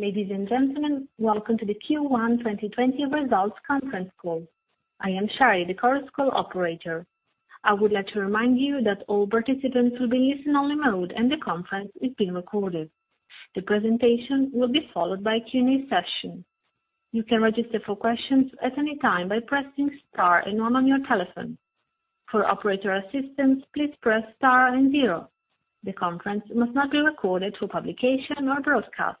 Ladies and gentlemen, welcome to the Q1 2020 results conference call. I am Shari, the conference call operator. I would like to remind you that all participants will be in listen-only mode, and the conference is being recorded. The presentation will be followed by a Q&A session. You can register for questions at any time by pressing star and one on your telephone. For operator assistance, please press star and zero. The conference must not be recorded through publication or broadcast.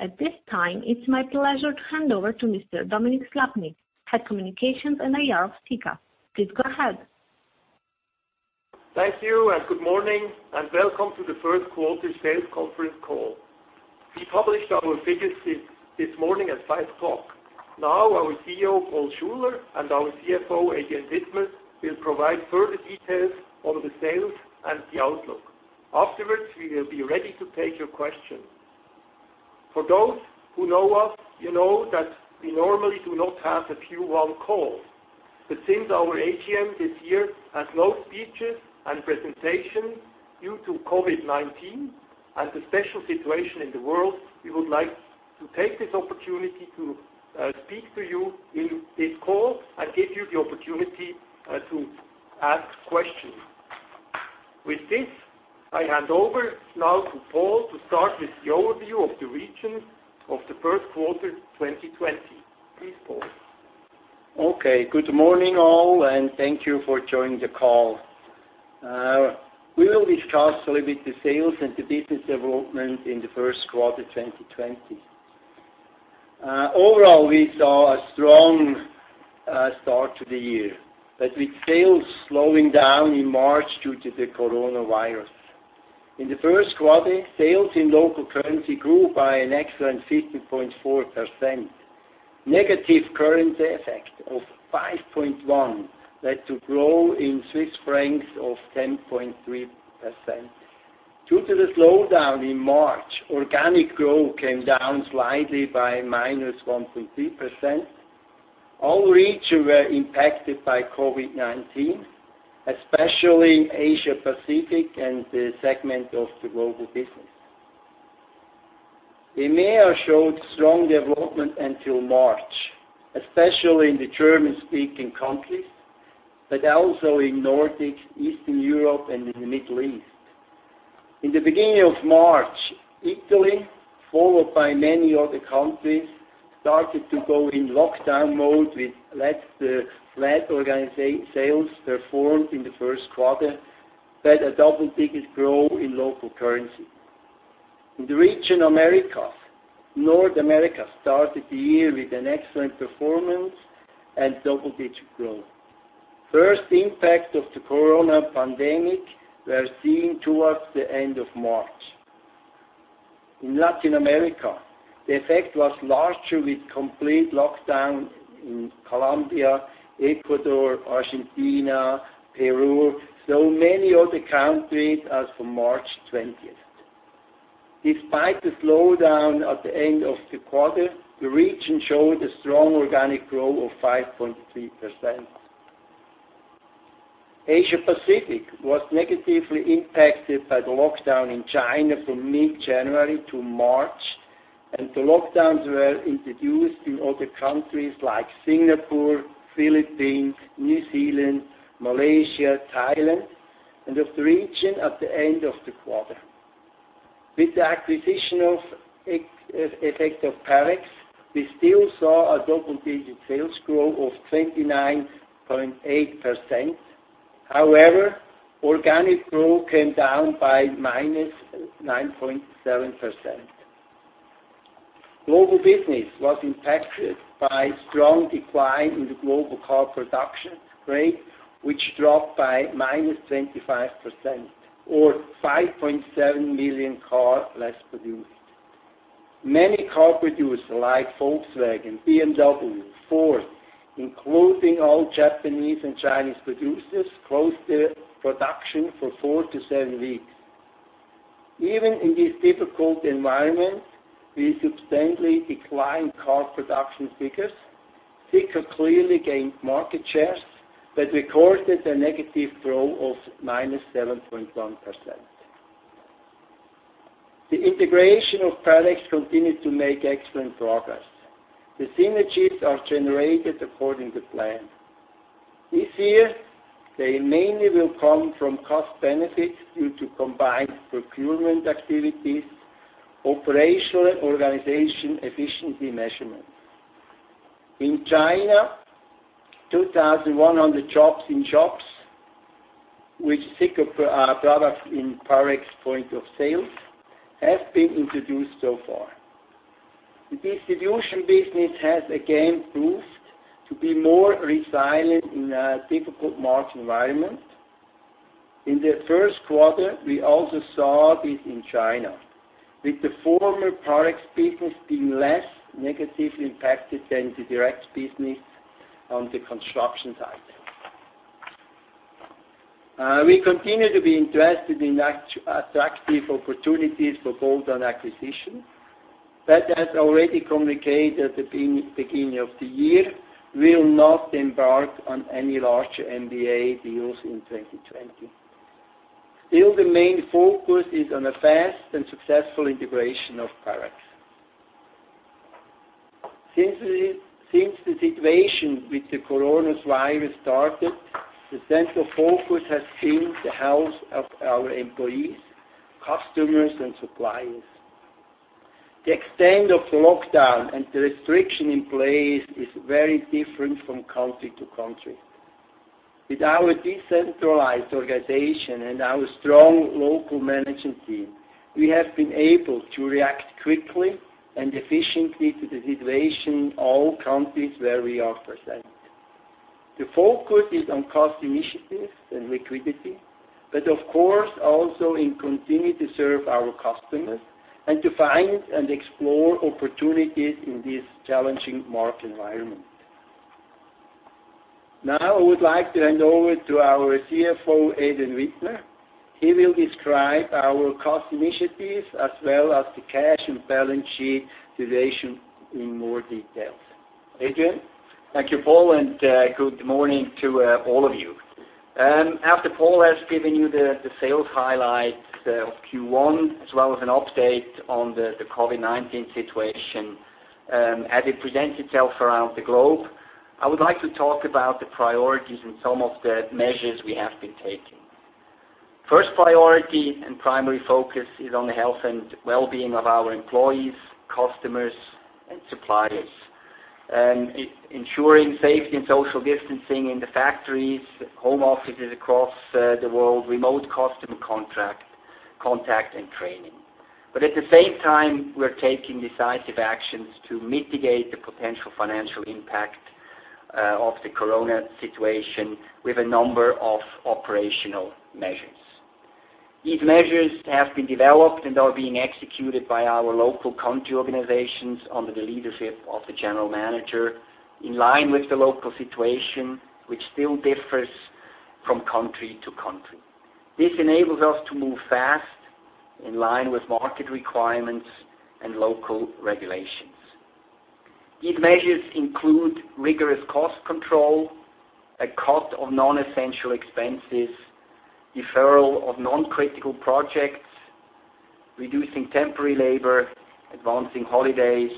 At this time, it's my pleasure to hand over to Mr. Dominik Slappnig, Head communications and IR of Sika. Please go ahead. Thank you, good morning, and welcome to the first quarter sales conference call. We published our figures this morning at 5:00 A.M. Our CEO, Paul Schuler, and our CFO, Adrian Widmer, will provide further details on the sales and the outlook. We will be ready to take your questions. For those who know us, you know that we normally do not have a Q1 call. Since our AGM this year has no speeches and presentations due to COVID-19 and the special situation in the world, we would like to take this opportunity to speak to you in this call and give you the opportunity to ask questions. I hand over now to Paul to start with the overview of the regions of the first quarter 2020. Please, Paul. Okay. Good morning, all, and thank you for joining the call. We will discuss a little bit the sales and the business development in the first quarter 2020. Overall, we saw a strong start to the year, but with sales slowing down in March due to the COVID-19. In the first quarter, sales in local currency grew by an excellent 50.4%. Negative currency effect of 5.1% led to growth in CHF of 10.3%. Due to the slowdown in March, organic growth came down slightly by -1.3%. All regions were impacted by COVID-19, especially Asia Pacific and the segment of the global business. EMEA showed strong development until March, especially in the German-speaking countries, but also in Nordic, Eastern Europe, and in the Middle East. In the beginning of March, Italy, followed by many other countries, started to go in lockdown mode, with less flat sales performed in the first quarter, but a double-digit growth in local currency. In the region Americas, North America started the year with an excellent performance and double-digit growth. First impact of the corona pandemic were seen towards the end of March. In Latin America, the effect was larger with complete lockdown in Colombia, Ecuador, Argentina, Peru, so many other countries as from March 20th. Despite the slowdown at the end of the quarter, the region showed a strong organic growth of 5.3%. Asia Pacific was negatively impacted by the lockdown in China from mid-January to March, and the lockdowns were introduced in other countries like Singapore, Philippines, New Zealand, Malaysia, Thailand, and of the region at the end of the quarter. With the acquisition effect of Parex, we still saw a double-digit sales growth of 29.8%. Organic growth came down by -9.7%. Global business was impacted by strong decline in the global car production rate, which dropped by -25%, or 5.7 million cars less produced. Many car producers like Volkswagen, BMW, Ford, including all Japanese and Chinese producers, closed their production for four to seven weeks. Even in this difficult environment with substantially declined car production figures, Sika clearly gained market shares but recorded a negative growth of -7.1%. The integration of Parex continued to make excellent progress. The synergies are generated according to plan. This year, they mainly will come from cost benefits due to combined procurement activities, operational organization efficiency measurements. In China, 2,100 shops in shops, which Sika products in Parex point of sales, have been introduced so far. The distribution business has again proved to be more resilient in a difficult market environment. In the first quarter, we also saw this in China, with the former Parex business being less negatively impacted than the direct business on the construction side. We continue to be interested in attractive opportunities for bolt-on acquisition. As already communicated at the beginning of the year, we will not embark on any larger M&A deals in 2020. The main focus is on a fast and successful integration of Parex. Since the situation with the coronavirus started, the central focus has been the health of our employees, customers, and suppliers. The extent of the lockdown and the restriction in place is very different from country to country. With our decentralized organization and our strong local management team, we have been able to react quickly and efficiently to the situation in all countries where we are present. The focus is on cost initiatives and liquidity, of course, also in continuing to serve our customers and to find and explore opportunities in this challenging market environment. Now, I would like to hand over to our CFO, Adrian Widmer. He will describe our cost initiatives as well as the cash and balance sheet situation in more detail. Adrian? Thank you, Paul, and good morning to all of you. After Paul has given you the sales highlights of Q1, as well as an update on the COVID-19 situation as it presents itself around the globe, I would like to talk about the priorities and some of the measures we have been taking. First priority and primary focus is on the health and well-being of our employees, customers, and suppliers. Ensuring safety and social distancing in the factories, home offices across the world, remote customer contact, and training. At the same time, we're taking decisive actions to mitigate the potential financial impact of the Corona situation with a number of operational measures. These measures have been developed and are being executed by our local country organizations under the leadership of the general manager in line with the local situation, which still differs from country to country. This enables us to move fast in line with market requirements and local regulations. These measures include rigorous cost control, a cut of non-essential expenses, deferral of non-critical projects, reducing temporary labor, advancing holidays,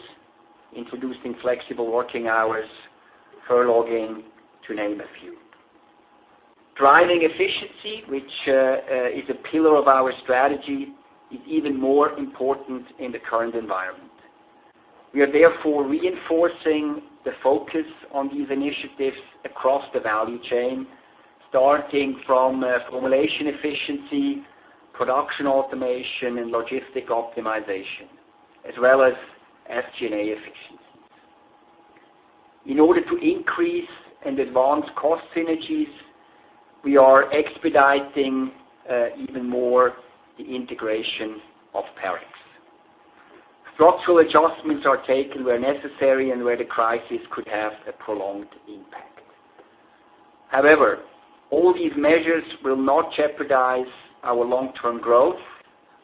introducing flexible working hours, furloughing, to name a few. Driving efficiency, which is a pillar of our strategy, is even more important in the current environment. We are therefore reinforcing the focus on these initiatives across the value chain, starting from formulation efficiency, production automation, and logistic optimization, as well as SG&A efficiencies. In order to increase and advance cost synergies, we are expediting even more the integration of Parex. Structural adjustments are taken where necessary and where the crisis could have a prolonged impact. However, all these measures will not jeopardize our long-term growth,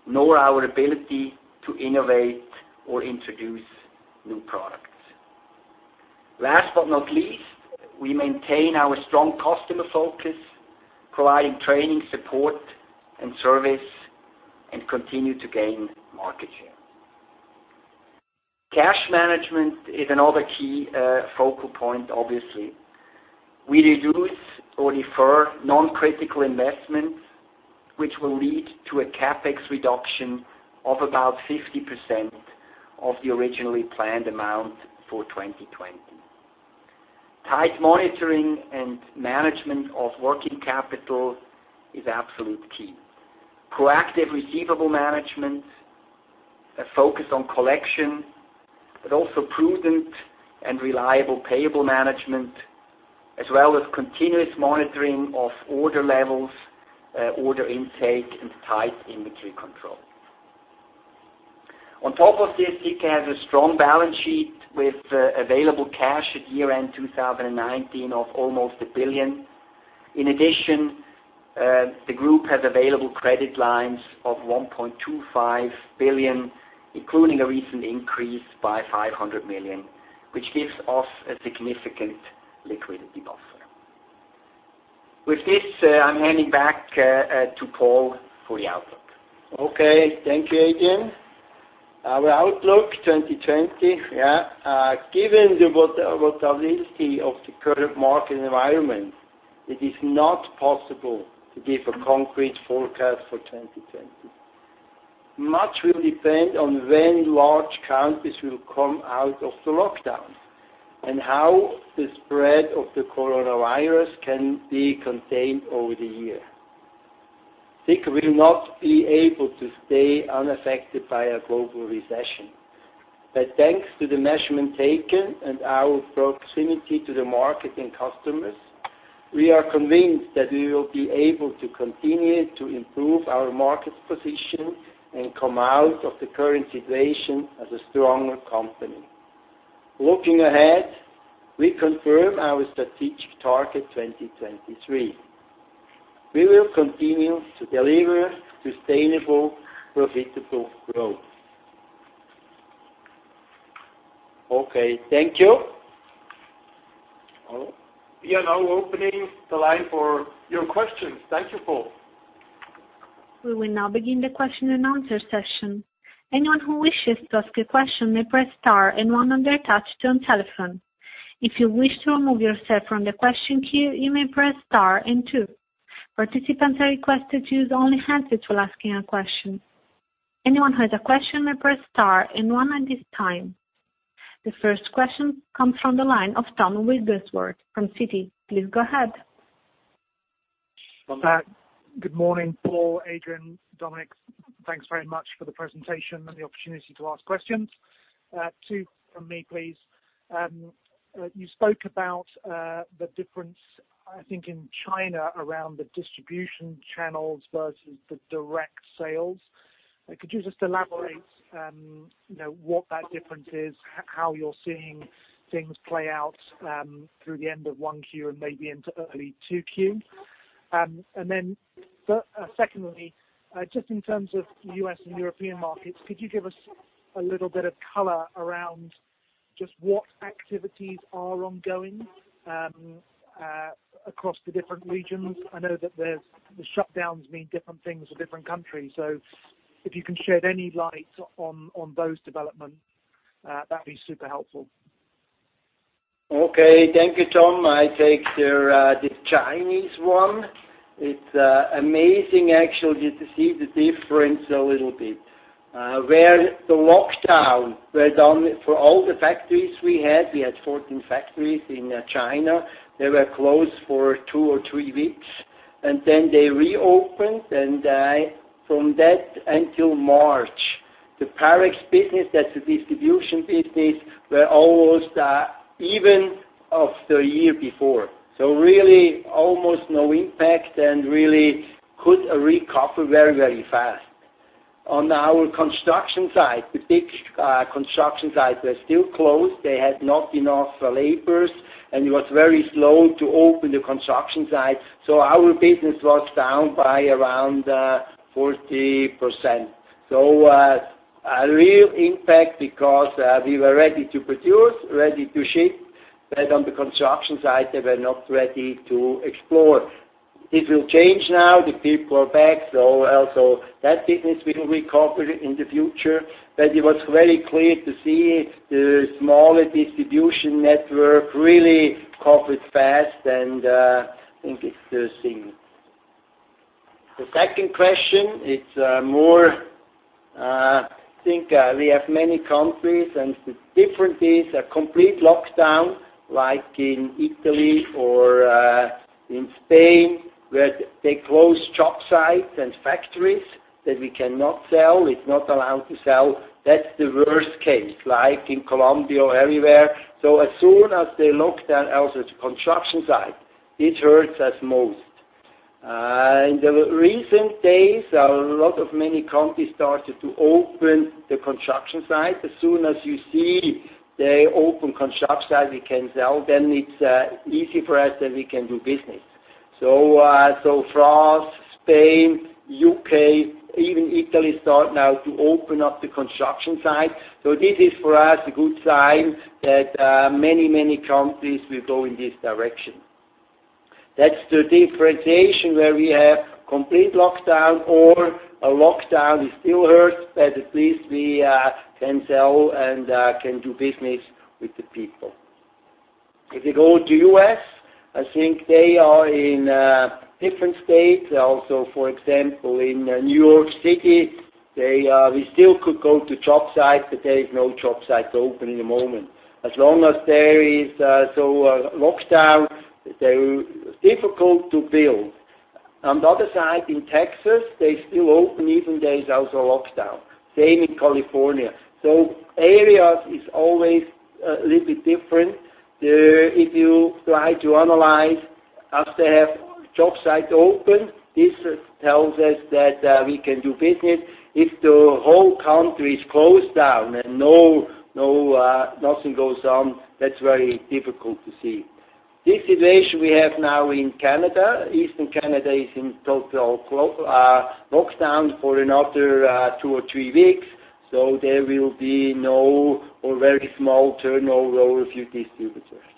nor our ability to innovate or introduce new products. Last but not least, we maintain our strong customer focus, providing training, support, and service, and continue to gain market share. Cash management is another key focal point, obviously. We reduce or defer non-critical investments, which will lead to a CapEx reduction of about 50% of the originally planned amount for 2020. Tight monitoring and management of working capital is absolute key. Proactive receivable management, a focus on collection, but also prudent and reliable payable management, as well as continuous monitoring of order levels, order intake, and tight inventory control. On top of this, Sika has a strong balance sheet with available cash at year-end 2019 of almost 1 billion. In addition, the group has available credit lines of 1.25 billion, including a recent increase by 500 million, which gives us a significant liquidity buffer. With this, I'm handing back to Paul for the outlook. Okay. Thank you, Adrian. Our outlook 2020, yeah. Given the volatility of the current market environment, it is not possible to give a concrete forecast for 2020. Much will depend on when large countries will come out of the lockdown and how the spread of the coronavirus can be contained over the year. Sika will not be able to stay unaffected by a global recession, but thanks to the measurement taken and our proximity to the market and customers, we are convinced that we will be able to continue to improve our market position and come out of the current situation as a stronger company. Looking ahead, we confirm our strategic target 2023. We will continue to deliver sustainable, profitable growth. Okay, thank you. We are now opening the line for your questions. Thank you, Paul. We will now begin the question and answer session. Anyone who wishes to ask a question may press star and one on their touch-tone telephone. If you wish to remove yourself from the question queue, you may press star and two. Participants are requested to use only hands to asking a question. Anyone who has a question may press star and one at this time. The first question comes from the line of Tom Witherspoon from Citi. Please go ahead. Good morning, Paul, Adrian, Dominik. Thanks very much for the presentation and the opportunity to ask questions. Two from me, please. You spoke about the difference, I think, in China around the distribution channels versus the direct sales. Could you just elaborate what that difference is, how you're seeing things play out through the end of one quarter and maybe into early two quarter? Secondly, just in terms of U.S. and European markets, could you give us a little bit of color around just what activities are ongoing across the different regions? I know that the shutdowns mean different things for different countries. If you can shed any light on those developments, that'd be super helpful. Okay. Thank you, Tom. I take the Chinese one. It's amazing actually to see the difference a little bit. Where the lockdown was on for all the factories we had, we had 14 factories in China. They were closed for two or three weeks, and then they reopened. From that until March, the Parex business, that's the distribution business, were almost even of the year before. Really almost no impact and really could recover very, very fast. On our construction site, the big construction sites were still closed. They had not enough laborers, and it was very slow to open the construction site. Our business was down by around 40%. A real impact because we were ready to produce, ready to ship, but on the construction site, they were not ready to explore. It will change now. The people are back. Also that business will recover in the future. It was very clear to see the smaller distribution network really recovered fast and, I think it's the same. The second question, I think we have many countries, and the difference is a complete lockdown, like in Italy or in Spain, where they close job sites and factories that we cannot sell. It's not allowed to sell. That's the worst case, like in Colombia or everywhere. As soon as they lock down also the construction site, it hurts us most. In the recent days, a lot of many companies started to open the construction site. As soon as you see they open construction site, we can sell, then it's easy for us, and we can do business. France, Spain, U.K., even Italy start now to open up the construction site. This is for us a good sign that many, many countries will go in this direction. That's the differentiation where we have complete lockdown or a lockdown. It still hurts, but at least we can sell and can do business with the people. If you go to U.S., I think they are in different states. Also, for example, in New York City, we still could go to job sites, but there is no job site open at the moment. As long as there is lockdown, they're difficult to build. On the other side, in Texas, they still open, even there is also a lockdown. Same in California. Areas is always a little bit different. If you try to analyze as they have job site open, this tells us that we can do business. If the whole country is closed down and nothing goes on, that's very difficult to see. This situation we have now in Canada, Eastern Canada is in total lockdown for another two or three weeks. There will be no or very small turnover of your distributors.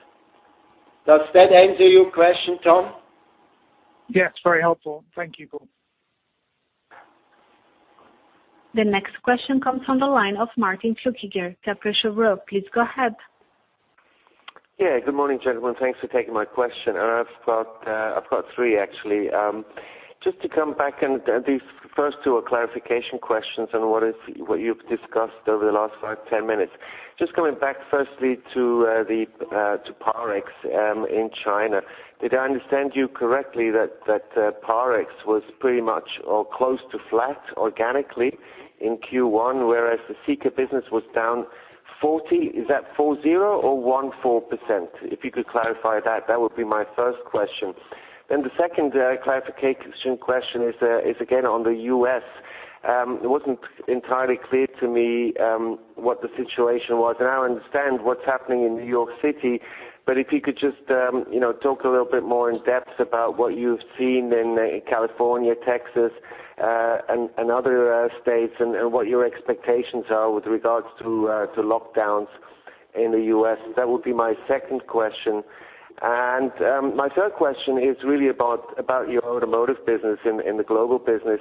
Does that answer your question, Tom? Yes, very helpful. Thank you, Paul. The next question comes from the line of Martin Flueckiger, Kepler Cheuvreux. Please go ahead. Good morning, gentlemen. Thanks for taking my question. I've got three, actually. Just to come back, these first two are clarification questions on what you've discussed over the last five, 10 minutes. Just coming back firstly to Parex in China. Did I understand you correctly that Parex was pretty much or close to flat organically in Q1, whereas the Sika business was down 40? Is that four zero or 14%? If you could clarify that would be my first question. The second clarification question is again on the U.S. It wasn't entirely clear to me what the situation was. I now understand what's happening in New York City, but if you could just talk a little bit more in depth about what you've seen in California, Texas, and other states, and what your expectations are with regards to lockdowns in the U.S. That would be my second question. My third question is really about your automotive business in the global business.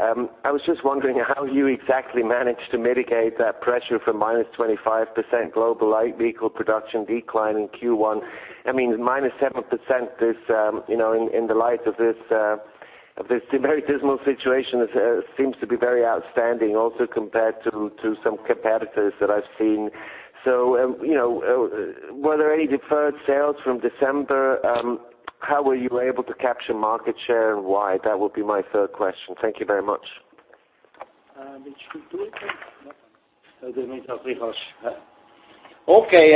I was just wondering how you exactly managed to mitigate that pressure from minus 25% global light vehicle production decline in Q1. Minus 7% in the light of this very dismal situation seems to be very outstanding, also compared to some competitors that I've seen. Were there any deferred sales from December? How were you able to capture market share, and why? That would be my third question. Thank you very much. Okay,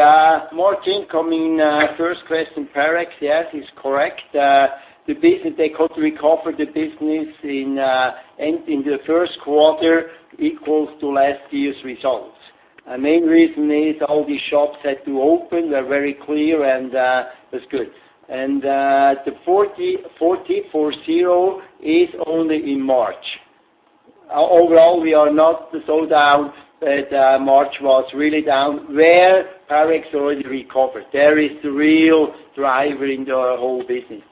Martin, coming first question Parex, yes, is correct. They could recover the business in the first quarter equals to last year's results. Main reason is all the shops had to open. They're very clear, that's good. The 40 is only in March. Overall, we are not so down that March was really down where Parex already recovered. There is real driver in our whole business.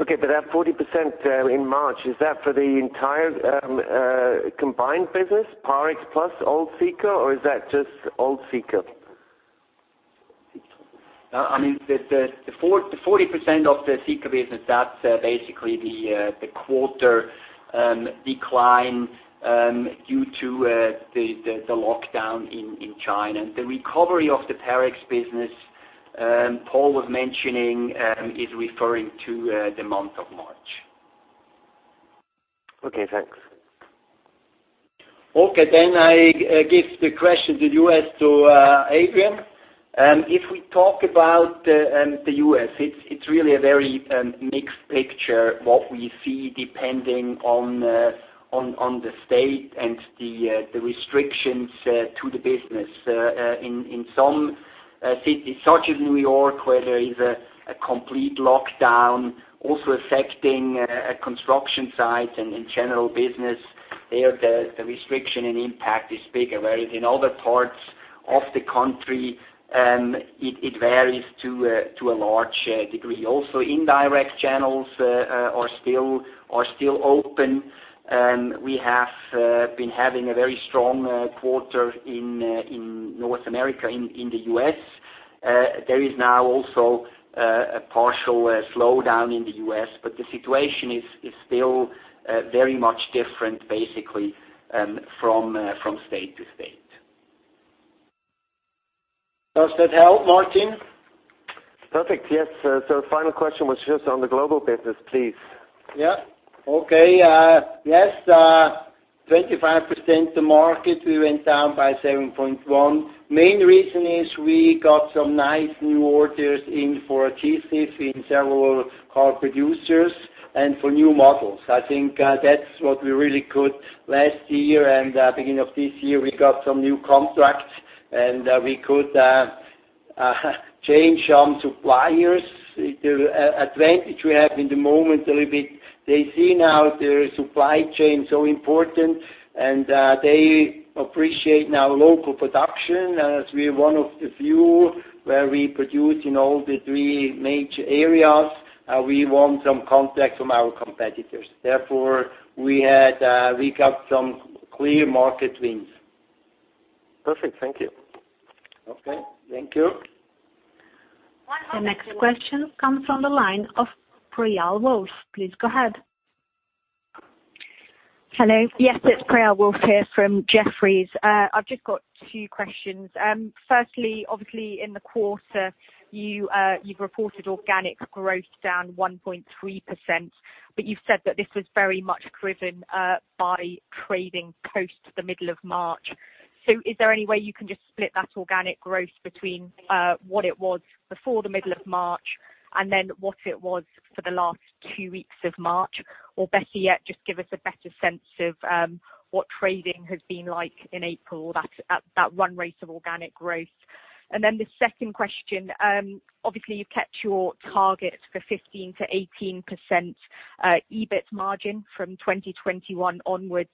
Okay, that 40% in March, is that for the entire combined business, Parex plus old Sika, or is that just old Sika? I mean, the 40% of the Sika business, that's basically the quarter decline due to the lockdown in China. The recovery of the Parex business, Paul was mentioning, is referring to the month of March. Okay, thanks. Okay. I give the question to you as to Adrian. If we talk about the U.S., it's really a very mixed picture, what we see, depending on the state and the restrictions to the business. In some cities such as New York, where there is a complete lockdown, also affecting construction sites and general business, there, the restriction and impact is bigger. In other parts of the country, it varies to a large degree. Indirect channels are still open. We have been having a very strong quarter in North America, in the U.S. There is now also a partial slowdown in the U.S., the situation is still very much different basically from state to state. Does that help, Martin? Perfect. Yes. Final question was just on the global business, please. Yeah. Okay. 25% the market, we went down by 7.1%. Main reason is we got some nice new orders in for adhesive in several car producers and for new models. I think that's last year and beginning of this year, we got some new contracts, and we could change some suppliers. The advantage we have in the moment a little bit, they see now their supply chain so important, and they appreciate now local production as we're one of the few where we produce in all the three major areas. We won some contracts from our competitors. We got some clear market wins. Perfect. Thank you. Okay. Thank you. The next question comes from the line of Priyal Woolf. Please go ahead. Hello. Yes, it's Priyal Woolf here from Jefferies. I've just got two questions. Firstly, obviously, in the quarter, you've reported organic growth down 1.3%, but you've said that this was very much driven by trading post the middle of March. Is there any way you can just split that organic growth between what it was before the middle of March and then what it was for the last two weeks of March? Better yet, just give us a better sense of what trading has been like in April at that one rate of organic growth. The second question, obviously, you've kept your target for 15%-18% EBIT margin from 2021 onwards,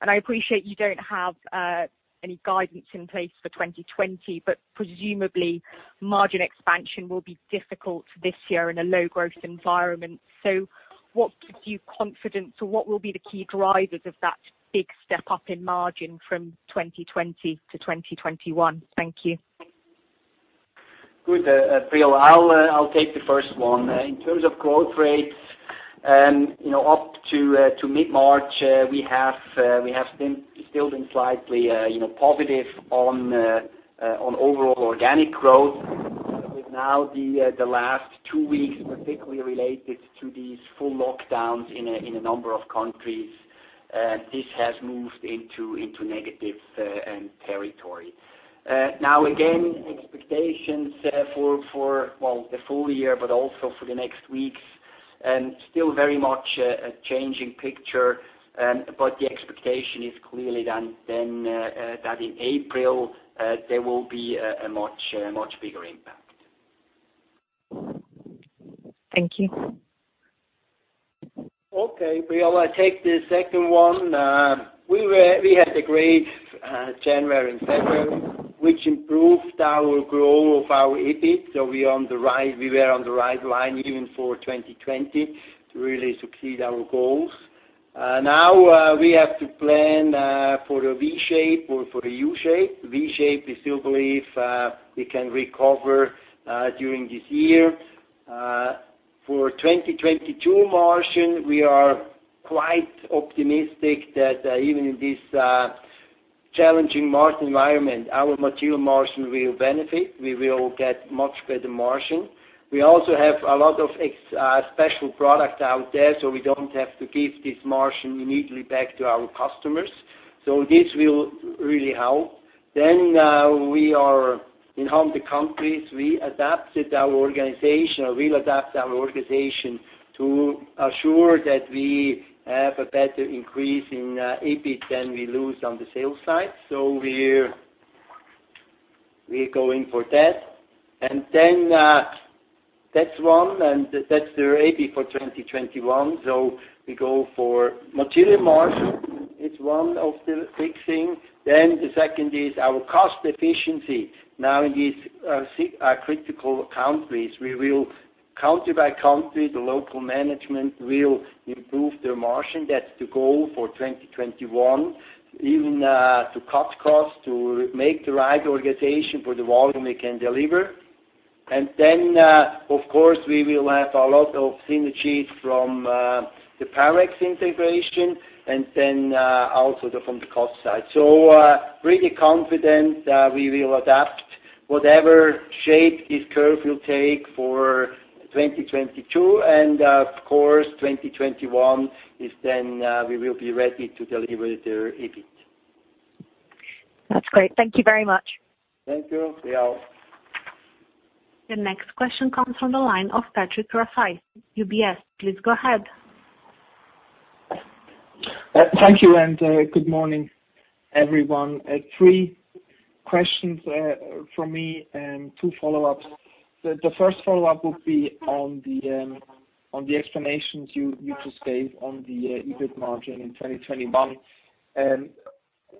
and I appreciate you don't have any guidance in place for 2020, but presumably margin expansion will be difficult this year in a low-growth environment. What gives you confidence or what will be the key drivers of that big step up in margin from 2020 to 2021? Thank you. Good, Priyal. I'll take the first one. In terms of growth rates, up to mid-March, we have still been slightly positive on overall organic growth. With now the last two weeks, particularly related to these full lockdowns in a number of countries, this has moved into negative territory. Now again, expectations for the full- year but also for the next weeks and still very much a changing picture, but the expectation is clearly then that in April there will be a much bigger impact. Thank you. Priyal, I take the second one. We had a great January and February, which improved our growth of our EBIT. We were on the right line even for 2020 to really succeed our goals. We have to plan for the V shape or for the U shape. V shape, we still believe we can recover during this year. For 2022 margin, we are quite optimistic that even in this challenging margin environment, our material margin will benefit. We will get much better margin. We also have a lot of special products out there, so we don't have to give this margin immediately back to our customers. This will really help. In home countries, we adapted our organization, or will adapt our organization to assure that we have a better increase in EBIT than we lose on the sales side. We're going for that. That's one, and that's the EBIT for 2021. We go for material margin, it's one of the big things. The second is our cost efficiency. Now in these critical countries, country by country, the local management will improve their margin. That's the goal for 2021, even to cut costs, to make the right organization for the volume we can deliver. Of course, we will have a lot of synergies from the Parex integration, and then also from the cost side. Pretty confident we will adapt whatever shape this curve will take for 2022. Of course, 2021 is then we will be ready to deliver the EBIT. That's great. Thank you very much. Thank you, Priyal. The next question comes from the line of Patrick Rafaisz, UBS. Please go ahead. Thank you. Good morning, everyone. Three questions from me and two follow-ups. The first follow-up would be on the explanations you just gave on the EBIT margin in 2021.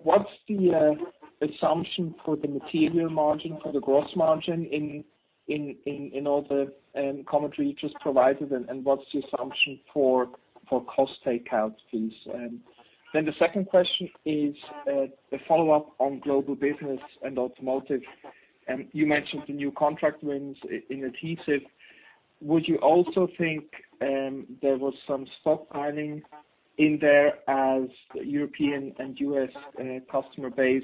What's the assumption for the material margin, for the gross margin in all the commentary you just provided, and what's the assumption for cost takeout, please? The second question is a follow-up on global business and automotive. You mentioned the new contract wins in adhesive. Would you also think there was some stockpiling in there as European and U.S. customer base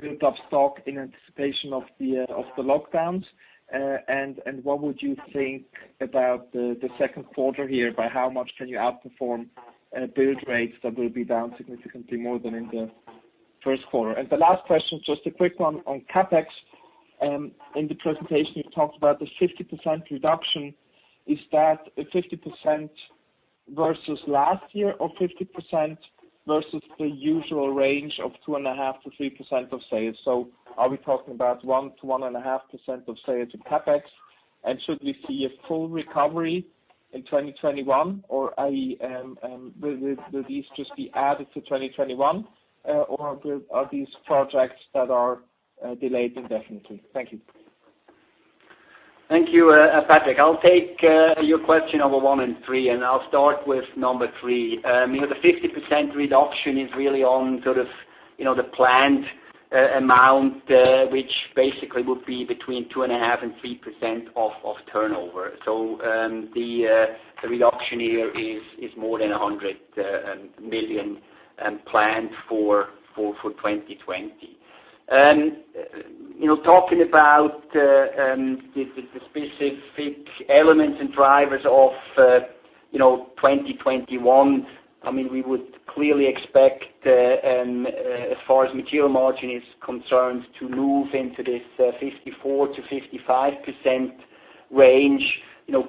built up stock in anticipation of the lockdowns? What would you think about the second quarter here? By how much can you outperform build rates that will be down significantly more than in the first quarter? The last question, just a quick one on CapEx. In the presentation, you talked about the 50% reduction. Is that a 50% versus last year or 50% versus the usual range of 2.5%-3% of sales? Are we talking about 1%-1.5% of sales in CapEx? Should we see a full recovery in 2021? Will these just be added to 2021, or are these projects that are delayed indefinitely? Thank you. Thank you, Patrick. I'll take your question number 1 and 3, and I'll start with number 3. The 50% reduction is really on sort of the planned amount, which basically would be between 2.5% and 3% of turnover. The reduction here is more than 100 million planned for 2020. Talking about the specific elements and drivers of 2021, we would clearly expect, as far as material margin is concerned, to move into this 54%-55% range,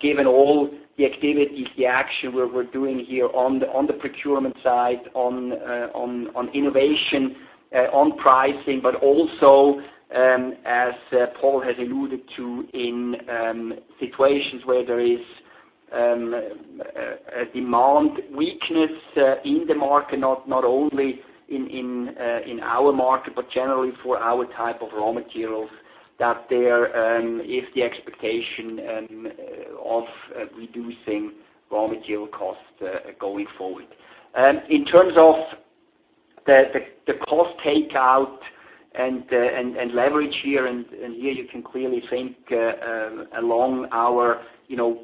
given all the activities, the action where we're doing here on the procurement side, on innovation, on pricing. Also, as Paul has alluded to, in situations where there is a demand weakness in the market, not only in our market, but generally for our type of raw materials, that there is the expectation of reducing raw material costs going forward. In terms of the cost takeout and leverage here, and here you can clearly think along our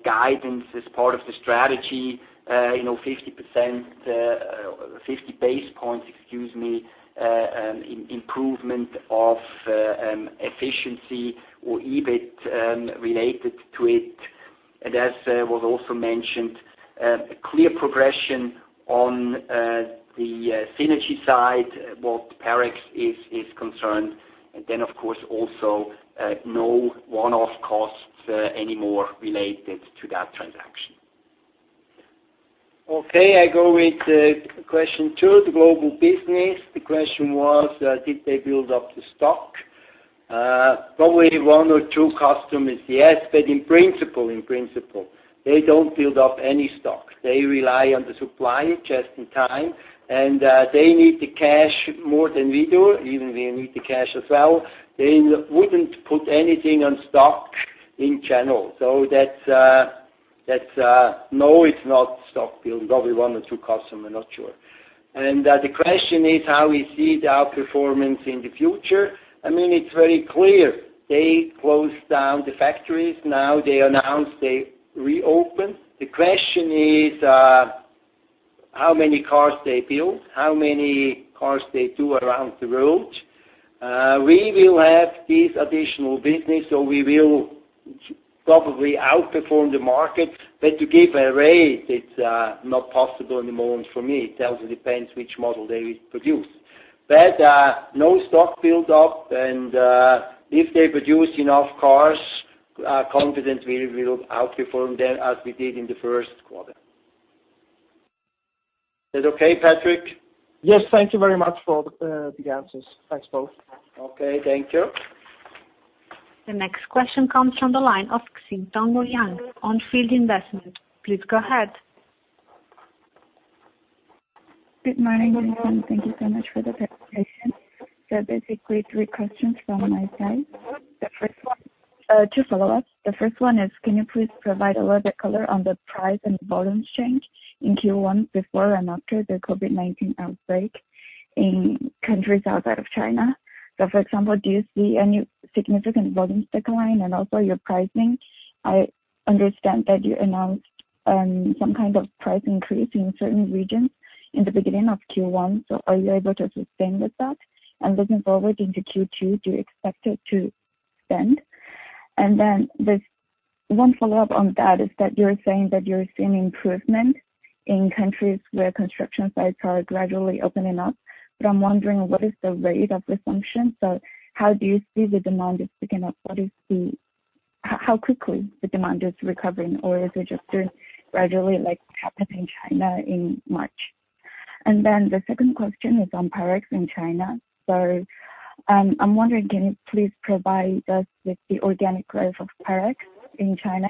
guidance as part of the strategy, 50 basis points improvement of efficiency or EBIT related to it. As was also mentioned, a clear progression on the synergy side, what Parex is concerned. Of course, also no one-off costs anymore related to that transaction. I go with question two, the global business. The question was, did they build up the stock? Probably one or two customers, yes. In principle, they don't build up any stock. They rely on the supply just in time, and they need the cash more than we do. Even we need the cash as well. They wouldn't put anything on stock in general. No, it's not stock build. Probably one or two customer, not sure. The question is how we see their performance in the future. It's very clear. They closed down the factories. Now they announced they reopen. The question is, how many cars they build, how many cars they do around the world. We will have this additional business, so we will probably outperform the market. To give a rate, it's not possible at the moment for me. It also depends which model they will produce. No stock build-up, and if they produce enough cars, confident we will outperform them as we did in the first quarter. Is it okay, Patrick? Yes. Thank you very much for the answers. Thanks, Paul. Okay. Thank you. The next question comes from the line of Xintong Ouyang, On Field Investment. Please go ahead. Good morning, everyone. Thank you so much for the presentation. There are basically three questions from my side. Two follow-ups. The first one is, can you please provide a little bit color on the price and volumes change in Q1 before and after the COVID-19 outbreak in countries outside of China? For example, do you see any significant volume decline and also your pricing? I understand that you announced some kind of price increase in certain regions in the beginning of Q1. Are you able to sustain with that? Looking forward into Q2, do you expect it to extend? There is one follow-up on that is that you are saying that you are seeing improvement in countries where construction sites are gradually opening up. I am wondering what is the rate of resumption. How do you see the demand is picking up? How quickly the demand is recovering or is it just gradually like happened in China in March? The second question is on Parex in China. I'm wondering, can you please provide us with the organic growth of Parex in China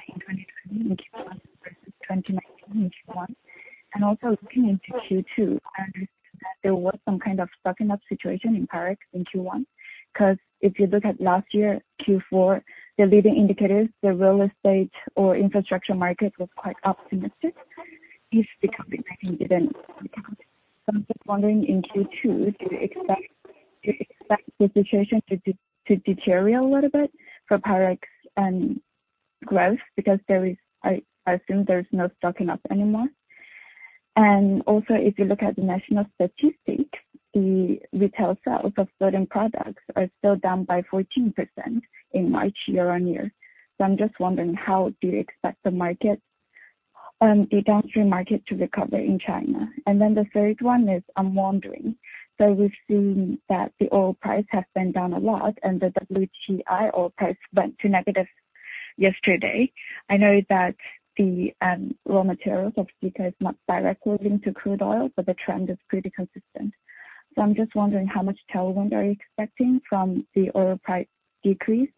in 2020 in Q1 versus 2019 in Q1? Looking into Q2, I understand that there was some kind of stocking up situation in Parex in Q1, because if you look at last year, Q4, the leading indicators, the real estate or infrastructure market was quite optimistic. I'm just wondering in Q2, do you expect the situation to deteriorate a little bit for Parex and growth because I assume there's no stocking up anymore? If you look at the national statistic, the retail sales of certain products are still down by 14% in March year-on-year. I'm just wondering how do you expect the downstream market to recover in China? The third one is, I'm wondering, we've seen that the oil price has been down a lot and the WTI oil price went to negative yesterday. I know that the raw materials of Sika is not directly linked to crude oil, but the trend is pretty consistent. I'm just wondering how much tailwind are you expecting from the oil price decrease?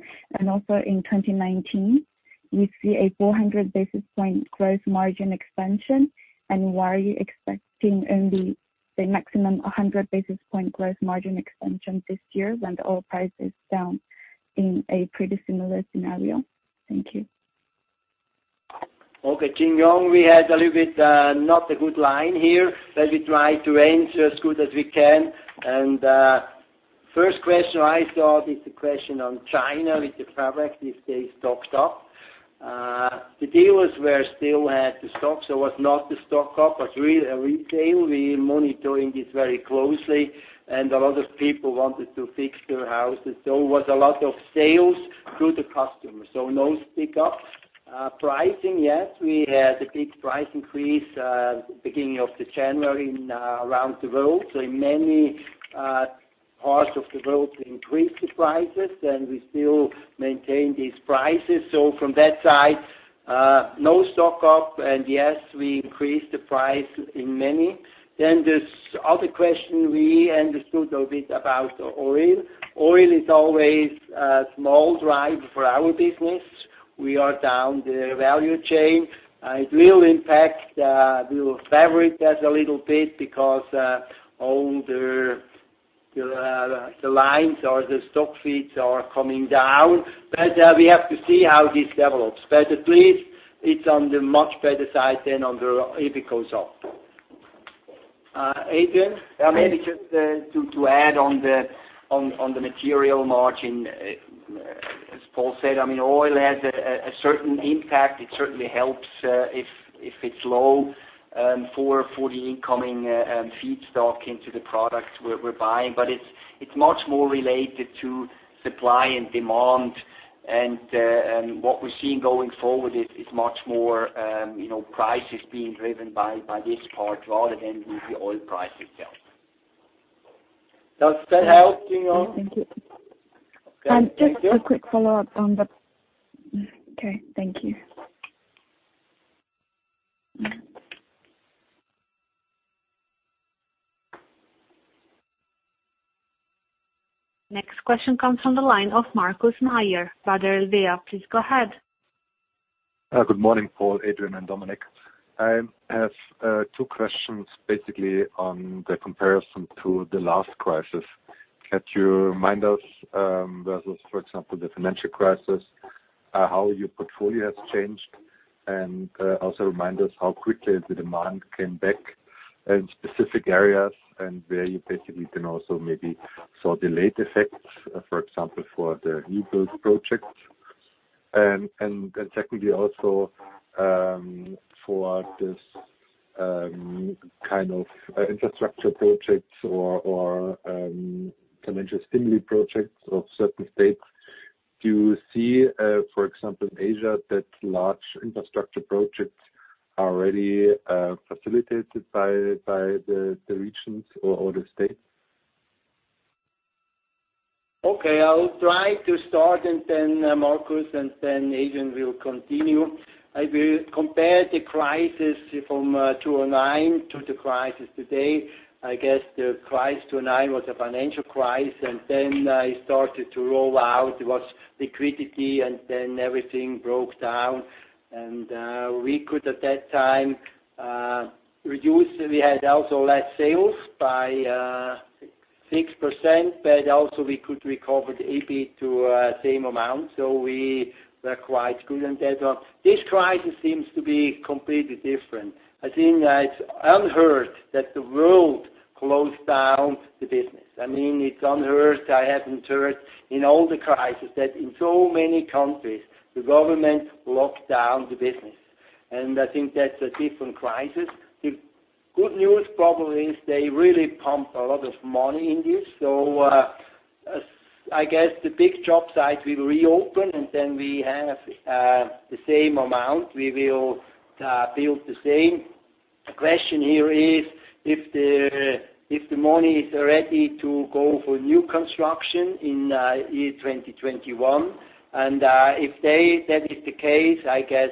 Also in 2019, we see a 400 basis point gross margin expansion. Why are you expecting only the maximum 100 basis point gross margin expansion this year when the oil price is down in a pretty similar scenario? Thank you. Okay. Xintong, we had a little bit not a good line here, but we try to answer as good as we can. First question I thought is the question on China with the Parex, if they stocked up. The dealers still had the stock, so was not the stock up, but retail, we're monitoring it very closely and a lot of people wanted to fix their houses. It was a lot of sales to the customer. No stock-up. Pricing, yes, we had a big price increase, beginning of the January around the world. In many parts of the world, we increased the prices and we still maintain these prices. From that side, no stock up. Yes, we increased the price in many. This other question we understood a bit about oil. Oil is always a small drive for our business. We are down the value chain. It will impact the fabric just a little bit because all the lines or the stock feeds are coming down. We have to see how this develops. At least it's on the much better side than if it goes up. Adrian? Maybe just to add on the material margin. As Paul said, oil has a certain impact. It certainly helps, if it's low. For the incoming feedstock into the products we're buying. It's much more related to supply and demand. What we're seeing going forward is much more prices being driven by this part, rather than the oil price itself. Does that help, Tina? Yes, thank you. Okay. Thank you. Okay, thank you. Next question comes from the line of Markus Mayer, Baader Helvea. Please go ahead. Good morning, Paul, Adrian, and Dominik. I have two questions, basically, on the comparison to the last crisis. Could you remind us versus, for example, the financial crisis, how your portfolio has changed? Also remind us how quickly the demand came back in specific areas and where you basically can also maybe saw delayed effects, for example, for the rebuild project. Secondly, also for this kind of infrastructure projects or financial stimuli projects of certain states, do you see, for example, in Asia that large infrastructure projects are already facilitated by the regions or the states? Okay. I will try to start. Markus and Adrian will continue. I will compare the crisis from 2009 to the crisis today. I guess the crisis 2009 was a financial crisis, and then it started to roll out. It was liquidity, and then everything broke down. We could, at that time, reduce. We had also less sales by 6%, but also we could recover the EB to same amount, so we were quite good on that one. This crisis seems to be completely different. I think that it's unheard that the world closed down the business. It's unheard. I haven't heard in all the crises that in so many countries, the government locked down the business. I think that's a different crisis. The good news probably is they really pump a lot of money in this. I guess the big job site will reopen, and then we have the same amount. We will build the same. The question here is if the money is ready to go for new construction in 2021. If that is the case, I guess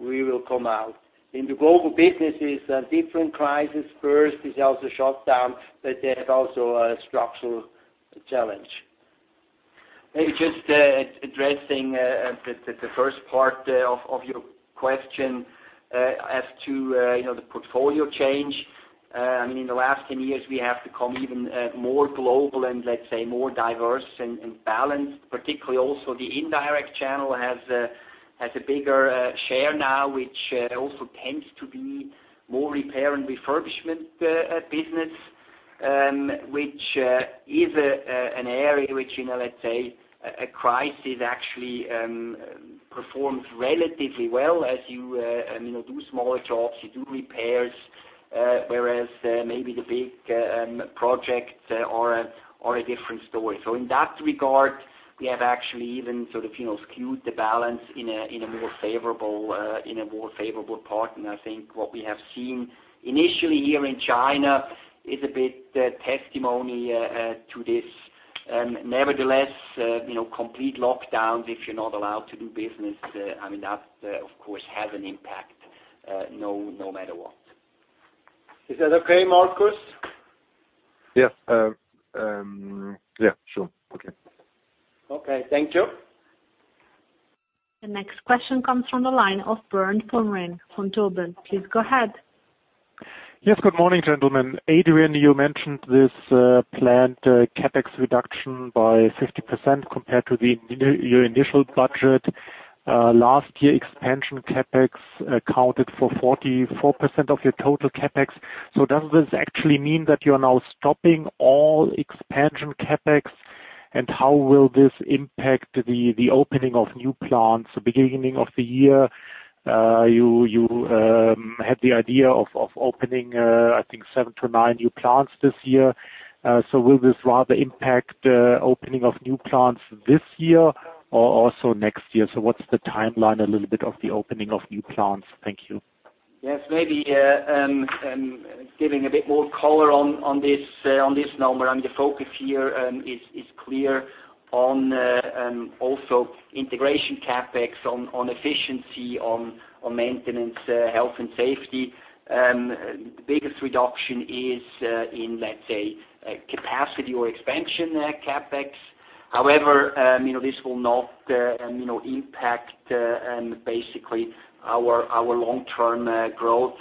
we will come out. In the global businesses, different crisis. First is also shut down, but they have also a structural challenge. Maybe just addressing the first part of your question as to the portfolio change. In the last 10 years, we have become even more global and, let's say, more diverse and balanced. Particularly also the indirect channel has a bigger share now, which also tends to be more repair and refurbishment business, which is an area which, let's say, a crisis actually performs relatively well as you do smaller jobs, you do repairs, whereas maybe the big projects are a different story. In that regard, we have actually even skewed the balance in a more favorable part. I think what we have seen initially here in China is a bit testimony to this. Nevertheless, complete lockdowns, if you're not allowed to do business, that of course, has an impact no matter what. Is that okay, Markus? Yes. Yeah, sure. Okay. Okay. Thank you. The next question comes from the line of Bernd Pomrehn from Bank Vontobel AG. Please go ahead. Yes, good morning, gentlemen. Adrian, you mentioned this planned CapEx reduction by 50% compared to your initial budget. Last year, expansion CapEx accounted for 44% of your total CapEx. Does this actually mean that you're now stopping all expansion CapEx? How will this impact the opening of new plants? The beginning of the year, you had the idea of opening, I think, seven to nine new plants this year. Will this rather impact the opening of new plants this year or also next year? What's the timeline, a little bit, of the opening of new plants? Thank you. Maybe giving a bit more color on this number. The focus here is clear on also integration CapEx, on efficiency, on maintenance, health, and safety. The biggest reduction is in, let's say, capacity or expansion CapEx. This will not impact, basically, our long-term growth.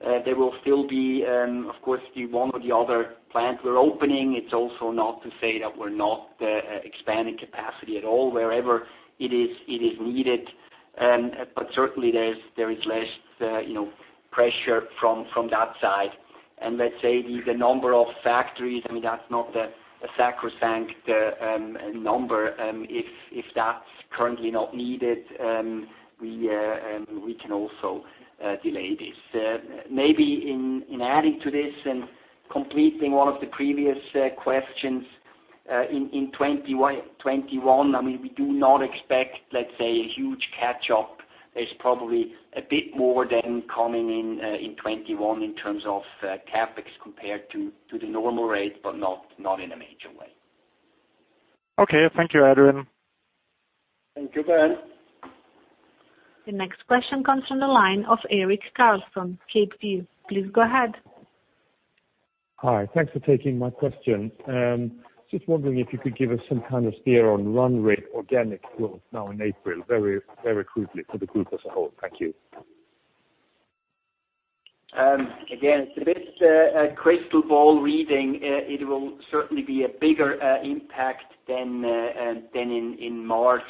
There will still be, of course, the one or the other plant we're opening. It's also not to say that we're not expanding capacity at all wherever it is needed. Certainly, there is less pressure from that side. Let's say the number of factories, that's not a sacrosanct number. If that's currently not needed, we can also delay this. Maybe in adding to this and completing one of the previous questions, in 2021, we do not expect a huge catch-up. There's probably a bit more than coming in 2021 in terms of CapEx compared to the normal rate, but not in a major way. Okay. Thank you, Adrian. Thank you, Ben. The next question comes from the line of Eric Carlson, KP. Please go ahead. Hi. Thanks for taking my question. Just wondering if you could give us some kind of steer on run rate organic growth now in April, very quickly for the group as a whole. Thank you. It's a bit a crystal ball reading. It will certainly be a bigger impact than in March.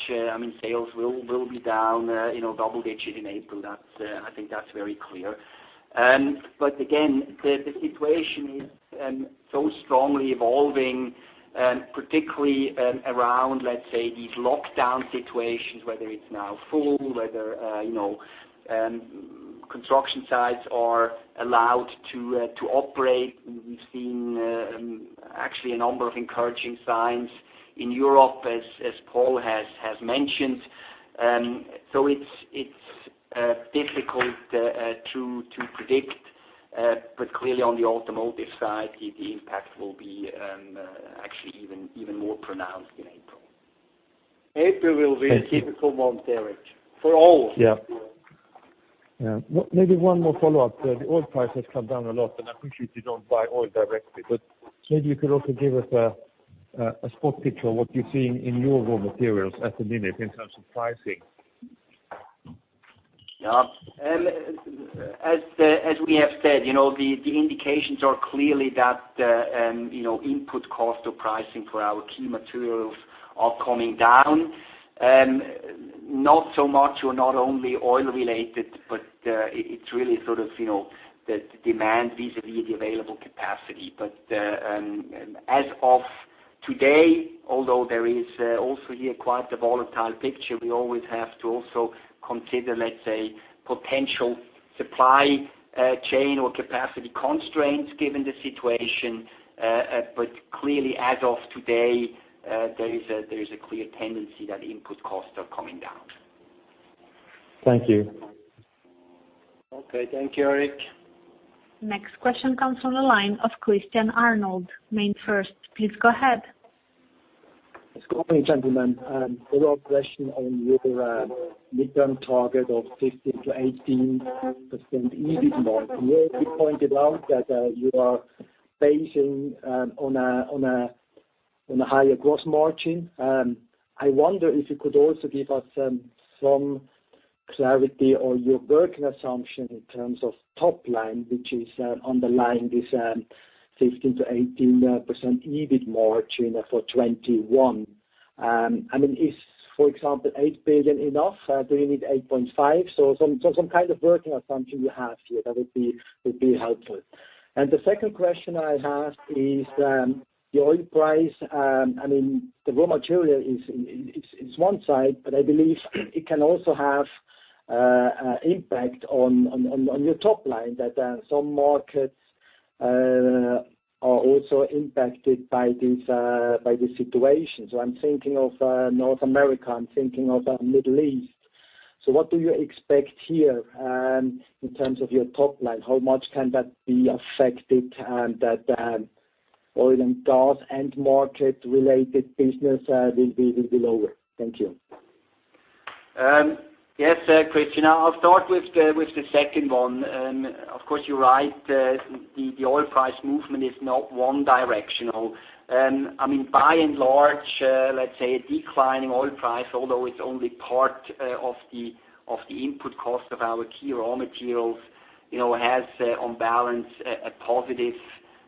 Sales will be down double digits in April. I think that's very clear. Again, the situation is so strongly evolving, particularly around these lockdown situations, whether it's now full, whether construction sites are allowed to operate. We've seen actually a number of encouraging signs in Europe, as Paul has mentioned. It's difficult to predict. Clearly on the automotive side, the impact will be actually even more pronounced in April. April will be. Thank you. a difficult month, Eric, for all. Yeah. Maybe one more follow-up. The oil price has come down a lot, and I appreciate you don't buy oil directly, but maybe you could also give us a spot picture of what you're seeing in your raw materials at the minute in terms of pricing. Yeah. As we have said, the indications are clearly that input cost or pricing for our key materials are coming down. Not so much or not only oil-related, but it's really sort of the demand vis-a-vis the available capacity. As of today, although there is also here quite a volatile picture, we always have to also consider potential supply chain or capacity constraints given the situation. Clearly as of today, there is a clear tendency that input costs are coming down. Thank you. Okay. Thank you, Eric. Next question comes from the line of Christian Arnold, MainFirst. Please go ahead. Good morning, gentlemen. A follow-up question on your midterm target of 15%-18% EBIT margin. You already pointed out that you are basing on a higher gross margin. I wonder if you could also give us some clarity on your working assumption in terms of top line, which is underlying this 15%-18% EBIT margin for 2021. Is, for example, 8 billion enough? Do you need 8.5 billion? Some kind of working assumption you have here, that would be helpful. The second question I have is, the oil price. The raw material is one side, but I believe it can also have impact on your top line, that some markets are also impacted by this situation. I'm thinking of North America, I'm thinking of Middle East. What do you expect here in terms of your top line? How much can that be affected that oil and gas end market related business will be lower? Thank you. Yes, Christian. I'll start with the second one. Of course, you're right, the oil price movement is not one directional. By and large, let's say a decline in oil price, although it's only part of the input cost of our key raw materials, has on balance a positive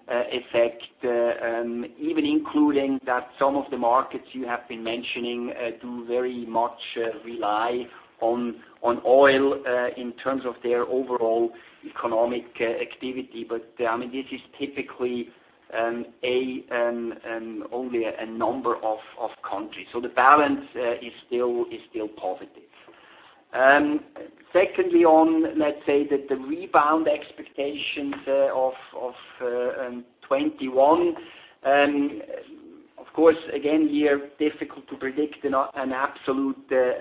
effect, even including that some of the markets you have been mentioning do very much rely on oil in terms of their overall economic activity. This is typically only a number of countries. The balance is still positive. Secondly on, let's say that the rebound expectations of 2021. Of course, again, here, difficult to predict an absolute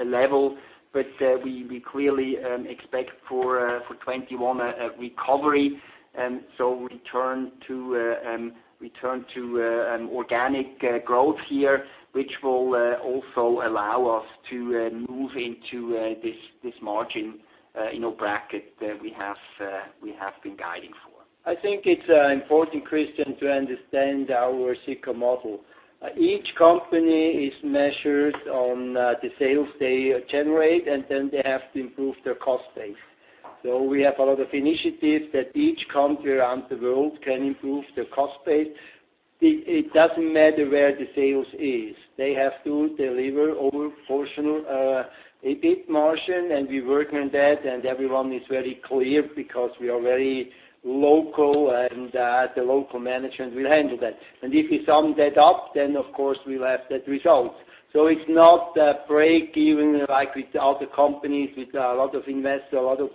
level, but we clearly expect for 2021 a recovery. Return to organic growth here, which will also allow us to move into this margin bracket that we have been guiding for. I think it's important, Christian, to understand our Sika model. Each company is measured on the sales they generate, and then they have to improve their cost base. We have a lot of initiatives that each country around the world can improve their cost base. It doesn't matter where the sales is. They have to deliver over portion, EBIT margin, and we work on that and everyone is very clear because we are very local and the local management will handle that. If we sum that up, then of course we'll have that result. It's not a break-even like with other companies with a lot of investor, a lot of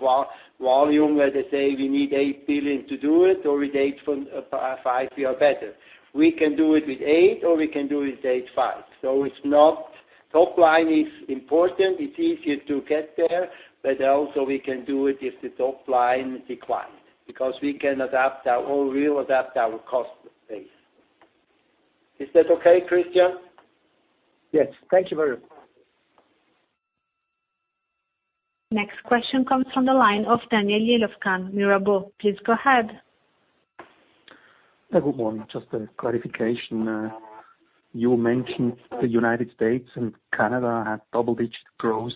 volume where they say we need 8 billion to do it or with 8.5 we are better. We can do it with 8 or we can do with 8.5. Top line is important. It's easier to get there, but also we can do it if the top line decline, because we will adapt our cost base. Is that okay, Christian? Yes, thank you very much. Next question comes from the line of Daniel Jelovcan, Mirabaud. Please go ahead. Good morning. Just a clarification. You mentioned the United States and Canada had double-digit growth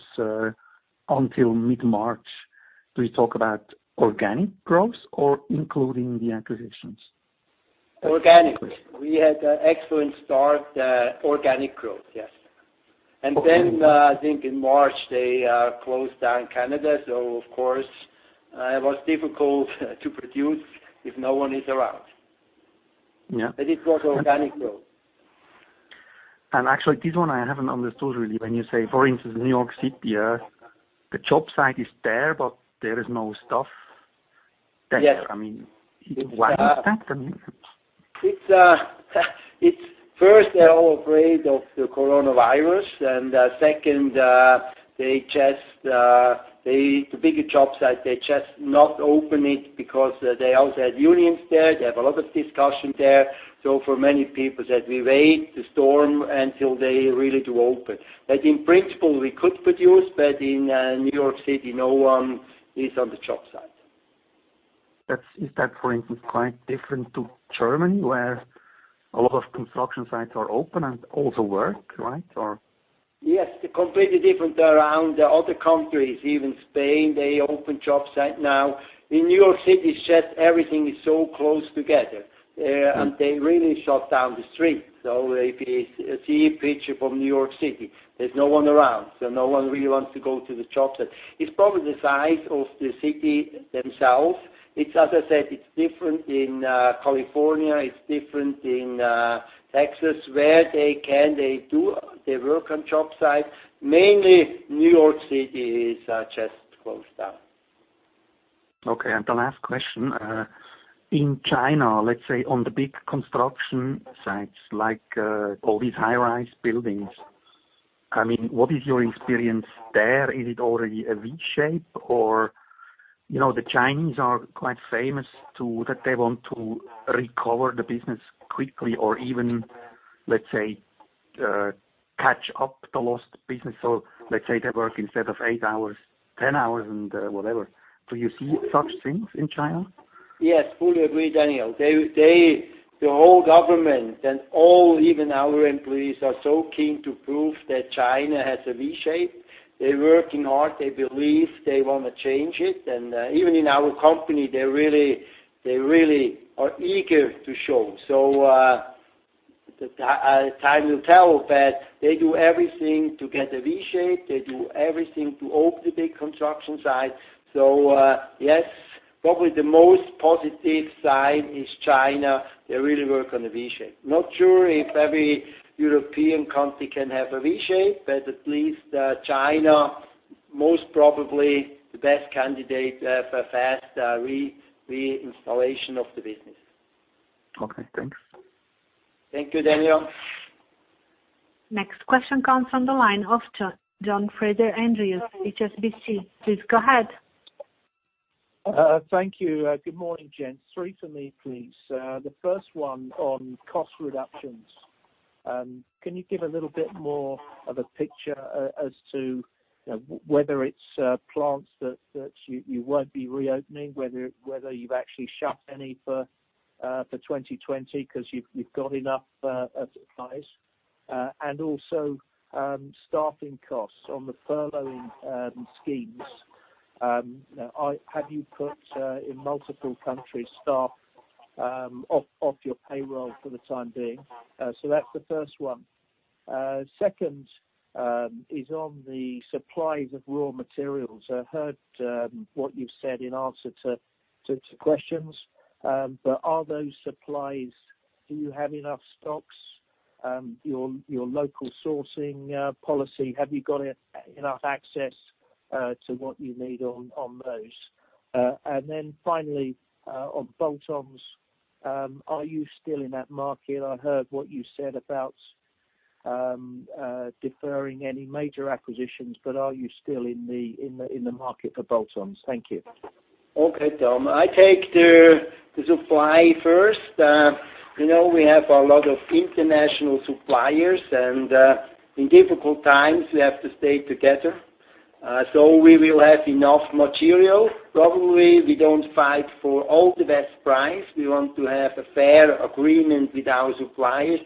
until mid-March. Do you talk about organic growth or including the acquisitions? Organic. We had an excellent start organic growth, yes. I think in March they closed down Canada, so of course, it was difficult to produce if no one is around. Yeah. It was organic growth. Actually this one I haven't understood really when you say for instance, New York City, the job site is there, but there is no stuff there. Yes. I mean, why is that? They're all afraid of the Coronavirus. Second, the bigger job site, they just not open it because they also have unions there. They have a lot of discussion there. For many people said, "We wait the storm until they really do open." In principle we could produce, but in New York City, no one is on the job site. Is that for instance, quite different to Germany where a lot of construction sites are open and also work, right? Yes, they're completely different around other countries. Even Spain, they open job site now. In New York City, it's just everything is so close together. They really shut down the street. If you see a picture from New York City, there's no one around. No one really wants to go to the job site. It's probably the size of the city themselves. It's as I said, it's different in California, it's different in Texas where they do their work on job site. Mainly New York City is just closed down. Okay. The last question. In China, let's say on the big construction sites like all these high-rise buildings. What is your experience there? Is it already a V shape? The Chinese are quite famous that they want to recover the business quickly or even, let's say, catch up the lost business. Let's say they work instead of eight hours, 10 hours and whatever. Do you see such things in China? Yes, fully agree, Daniel. The whole government and all even our employees are so keen to prove that China has a V shape. They're working hard. They believe they want to change it. Even in our company, they really are eager to show. Time will tell, but they do everything to get a V shape. They do everything to open the big construction site. Yes, probably the most positive side is China. They really work on the V shape. Not sure if every European country can have a V shape, but at least China, most probably the best candidate for fast reinstallation of the business. Okay, thanks. Thank you, Daniel. Next question comes from the line of John-Fredrik Andresen, HSBC. Please go ahead. Thank you. Good morning, gents. Three for me, please. The first one on cost reductions. Can you give a little bit more of a picture, as to whether it's plants that you won't be reopening, whether you've actually shut any for 2020 because you've got enough supplies. Also, staffing costs on the furloughing schemes. Have you put, in multiple countries, staff off your payroll for the time being? That's the first one. Second is on the supplies of raw materials. I heard what you said in answer to questions, but are those supplies, do you have enough stocks? Your local sourcing policy, have you got enough access to what you need on those? Finally, on bolt-ons, are you still in that market? I heard what you said about deferring any major acquisitions, but are you still in the market for bolt-ons? Thank you. Okay, Tom. I take the supply first. We have a lot of international suppliers and, in difficult times, we have to stay together. We will have enough material. Probably we don't fight for all the best price. We want to have a fair agreement with our suppliers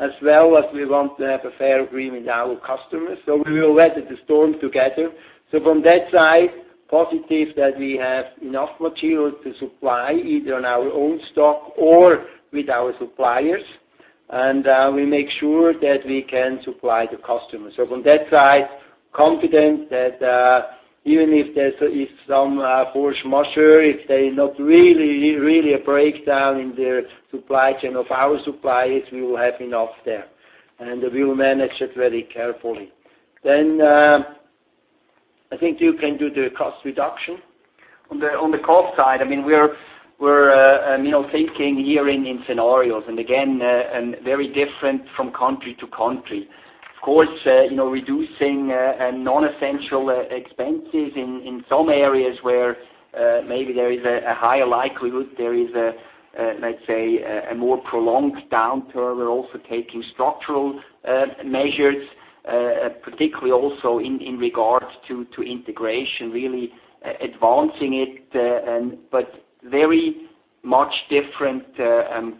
as well as we want to have a fair agreement with our customers. We will weather the storm together. From that side, positive that we have enough material to supply either on our own stock or with our suppliers. We make sure that we can supply the customer. From that side, confident that even if some force majeure, if they not really a breakdown in their supply chain of our suppliers, we will have enough there, and we will manage it very carefully. I think you can do the cost reduction. On the cost side, we're thinking here in scenarios, again, very different from country to country. Of course, reducing non-essential expenses in some areas where maybe there is a higher likelihood, there is, let's say, a more prolonged downturn. We're also taking structural measures, particularly also in regards to integration, really advancing it, very much different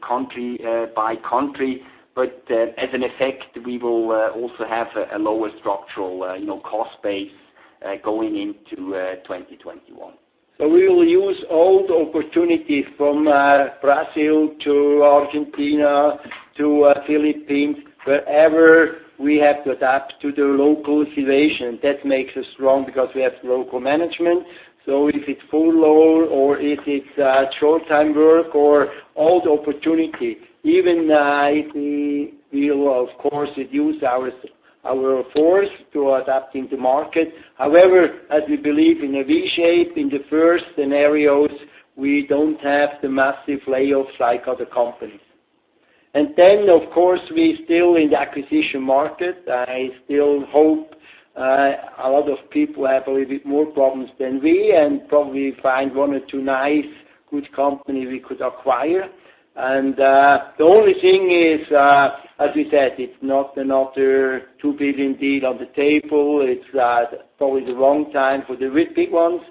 country by country. As an effect, we will also have a lower structural cost base going into 2021. We will use all the opportunities from Brazil to Argentina to Philippines, wherever we have to adapt to the local situation. That makes us strong because we have local management. If it's full load or if it's short time work or all the opportunity, even IT, we will, of course, reduce our force to adapting to market. However, as we believe in a V shape in the first scenarios, we don't have the massive layoffs like other companies. Of course, we still in the acquisition market. I still hope a lot of people have a little bit more problems than we, and probably find one or two nice, good company we could acquire. The only thing is, as we said, it's not another 2 billion deal on the table. It's probably the wrong time for the really big ones.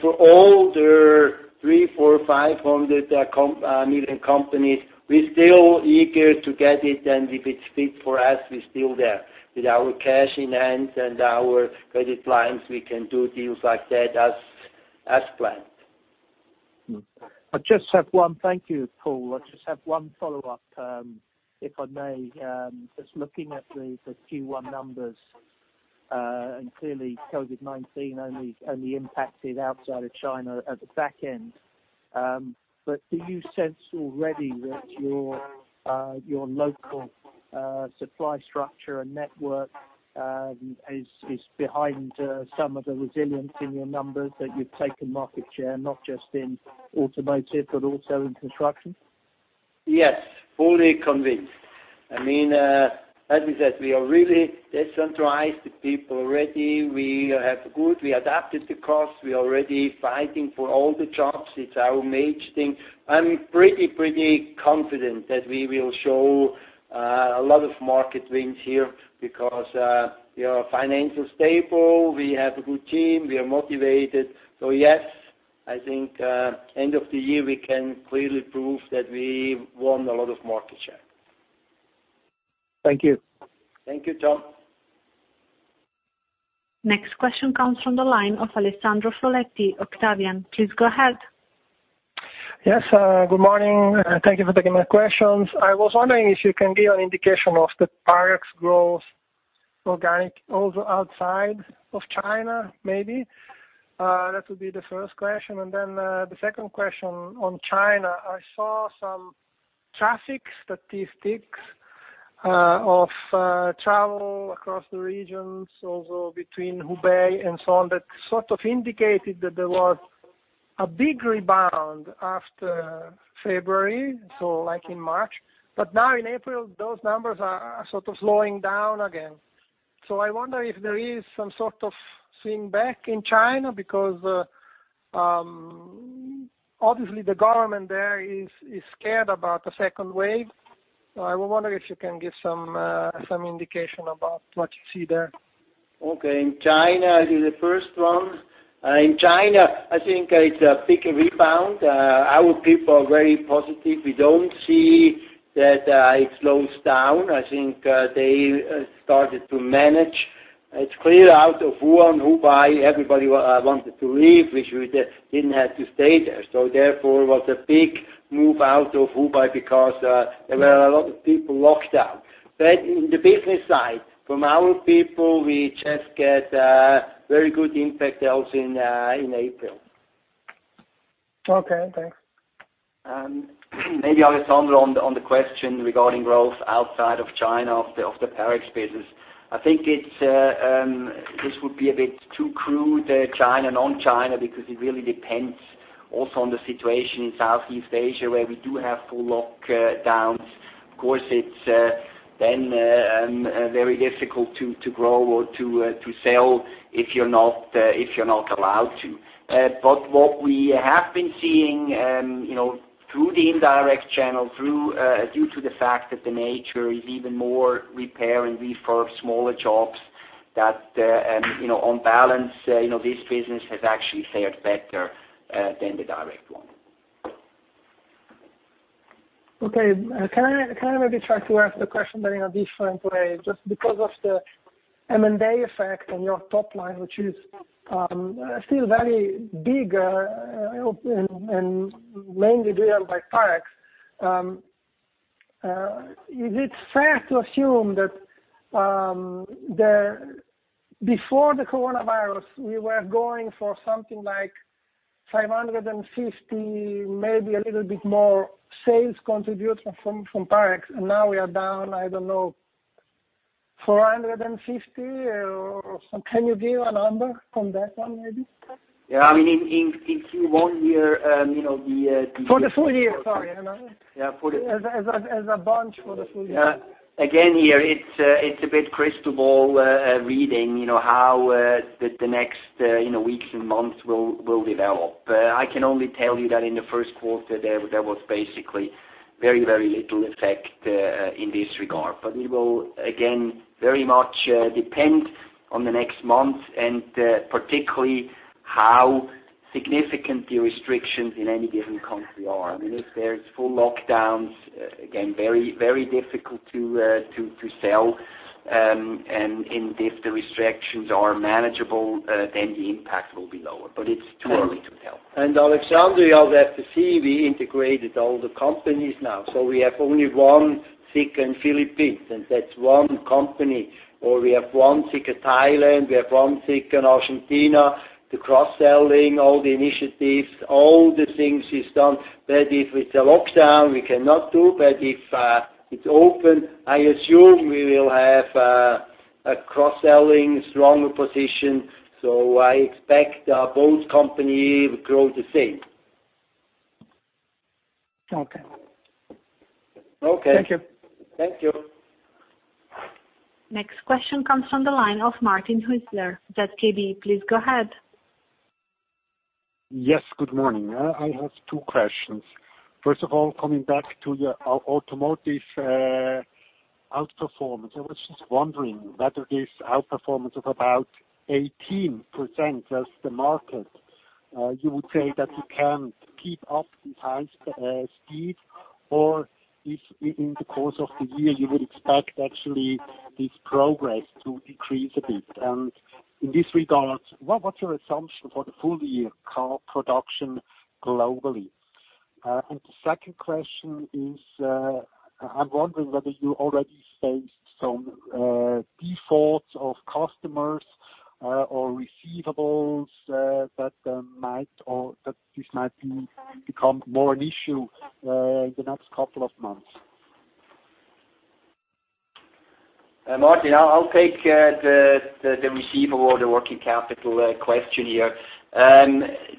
For all the 300 million, 400 million, 500 million companies, we're still eager to get it, and if it's fit for us, we're still there. With our cash in hand and our credit lines, we can do deals like that as planned. Thank you, Paul. I just have one follow-up, if I may. Just looking at the Q1 numbers, clearly COVID-19 only impacted outside of China at the back end. Do you sense already that your local supply structure and network is behind some of the resilience in your numbers, that you've taken market share, not just in automotive but also in construction? Yes, fully convinced. As we said, we are really decentralized. The people already, we adapted the cost. We are already fighting for all the jobs. It's our major thing. I'm pretty confident that we will show a lot of market wins here because we are financially stable, we have a good team, we are motivated. Yes, I think end of the year, we can clearly prove that we won a lot of market share. Thank you. Thank you, John. Next question comes from the line of Alessandro Foletti, Octavian. Please go ahead. Yes, good morning. Thank you for taking my questions. I was wondering if you can give an indication of the Parex growth organic also outside of China, maybe. That would be the first question. The second question on China. I saw some traffic statistics of travel across the regions, also between Hubei and so on, that sort of indicated that there was a big rebound after February, so like in March. In April, those numbers are sort of slowing down again. I wonder if there is some sort of seeing back in China, because, obviously the government there is scared about the second wave. I would wonder if you can give some indication about what you see there. Okay. In China, I'll do the first one. In China, I think it's a big rebound. Our people are very positive. We don't see that it slows down. I think they started to manage. It's clear out of Wuhan, Hubei, everybody wanted to leave, which we didn't have to stay there. Therefore, it was a big move out of Hubei because there were a lot of people locked down. In the business side, from our people, we just get very good impact else in April. Okay, thanks. Alessandro, on the question regarding growth outside of China of the Parex business. I think this would be a bit too crude, China, non-China, because it really depends also on the situation in Southeast Asia, where we do have full lockdowns. Of course, it's then very difficult to grow or to sell if you're not allowed to. What we have been seeing through the indirect channel, due to the fact that the nature is even more repair and refurb, smaller jobs, that on balance, this business has actually fared better than the direct one. Okay. Can I maybe try to ask the question in a different way? Just because of the M&A effect on your top line, which is still very big and mainly driven by Parex. Is it fair to assume that before the coronavirus, we were going for something like 550, maybe a little bit more sales contribution from Parex, and now we are down, I don't know, 450 or can you give a number from that one, maybe? Yeah. In Q1 year, For the full- year. Sorry. Yeah. For the- As a bunch for the full- year. Here, it's a bit crystal ball reading, how the next weeks and months will develop. I can only tell you that in the first quarter, there was basically very little effect in this regard. It will, again, very much depend on the next months and particularly how significant the restrictions in any given country are. If there is full lockdowns, again, very difficult to sell. If the restrictions are manageable, then the impact will be lower. It's too early to tell. Alessandro, you have to see, we integrated all the companies now. We have only one Sika in Philippines, and that's one company. We have one Sika Thailand, we have one Sika in Argentina. The cross-selling, all the initiatives, all the things is done. If it's a lockdown, we cannot do. If it's open, I assume we will have a cross-selling stronger position. I expect both company will grow the same. Okay. Okay. Thank you. Thank you. Next question comes from the line of Martin Hüsler, ZKB. Please go ahead. Yes, good morning. I have two questions. First of all, coming back to your automotive outperformance. I was just wondering whether this outperformance of about 18% as the market, you would say that you can keep up this high speed or if in the course of the year, you would expect actually this progress to decrease a bit. In this regard, what's your assumption for the full- year car production globally? The second question is, I'm wondering whether you already faced some defaults of customers or receivables that this might become more an issue in the next couple of months. Martin, I'll take the receivable or the working capital question here.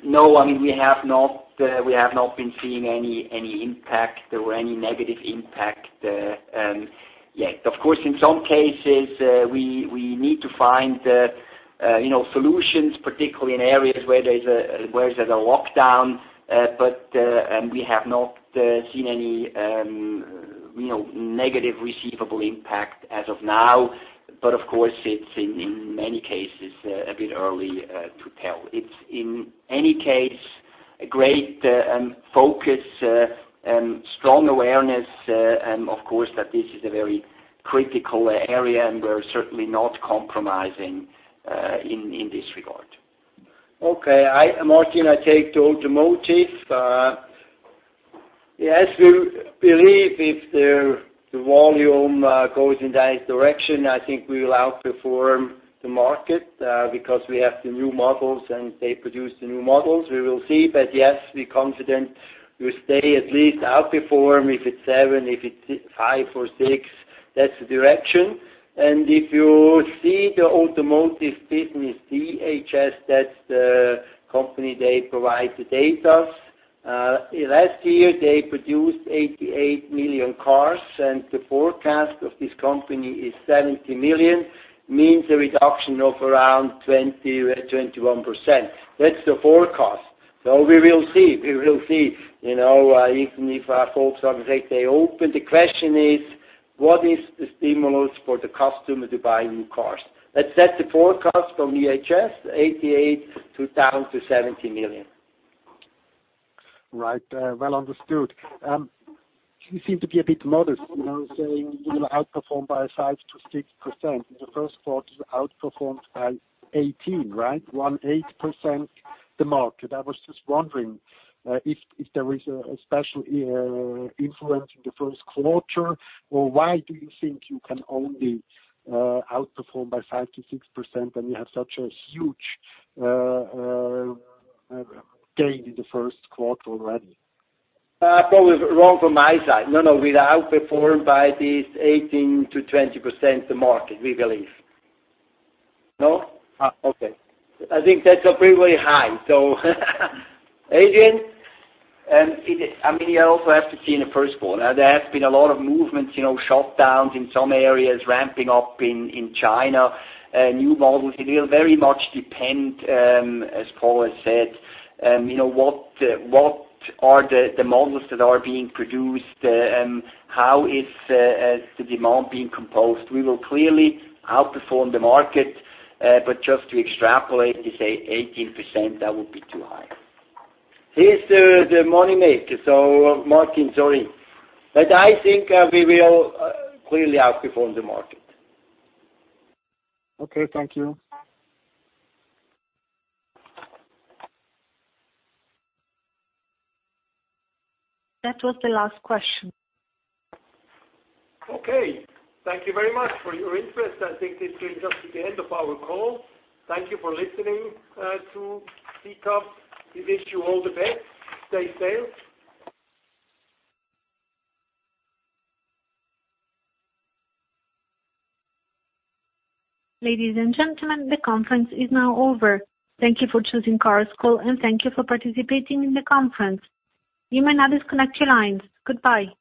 No, we have not been seeing any impact or any negative impact yet. Of course, in some cases, we need to find solutions, particularly in areas where there's a lockdown, but we have not seen any negative receivable impact as of now. Of course, it's in many cases, a bit early to tell. It's in any case, a great focus, strong awareness, and of course, that this is a very critical area, and we're certainly not compromising in this regard. Okay. Martin, I take the automotive. Yes, we believe if the volume goes in that direction, I think we will outperform the market because we have the new models, and they produce the new models. We will see, but yes, we're confident we stay at least outperform, if it's seven, if it's five or six, that's the direction. If you see the automotive business, IHS, that's the company, they provide the data. Last year, they produced 88 million cars, and the forecast of this company is 70 million, means a reduction of around 20%, 21%. That's the forecast. We will see. Even if our folks on the street, they open, the question is: What is the stimulus for the customer to buy new cars? That's the forecast from IHS, 88 down to 70 million. Right. Well understood. You seem to be a bit modest, saying you will outperform by 5%-6%. In the first quarter, you outperformed by 18%, right? 18% the market. I was just wondering if there is a special influence in the first quarter, or why do you think you can only outperform by 5%-6% when you have such a huge gain in the first quarter already? Probably wrong from my side. No, we outperformed by this 18%-20% the market, we believe. No? Okay. I think that's a pretty high, Adrian? I also have to see in the first quarter. There has been a lot of movements, shutdowns in some areas, ramping up in China, new models. It will very much depend, as Paul has said, what are the models that are being produced and how is the demand being composed. We will clearly outperform the market. Just to extrapolate to say 18%, that would be too high. He's the money maker. Martin, sorry. I think we will clearly outperform the market. Okay. Thank you. That was the last question. Thank you very much for your interest. I think this brings us to the end of our call. Thank you for listening to Sika. We wish you all the best. Stay safe. Ladies and gentlemen, the conference is now over. Thank you for choosing Chorus Call, and thank you for participating in the conference. You may now disconnect your lines. Goodbye.